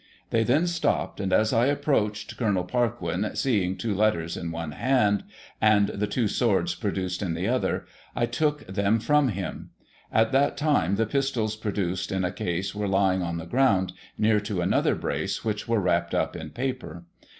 They then stopped, and as I approached Col. Parquin, seeing two letters in one hand, and the two swords produced, in the other, I took them from him. At that time, the pistols produced, in a case, were lying on the ground, near to another brace, which were wrapped up in paper.